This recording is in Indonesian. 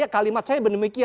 kalimat saya benar naik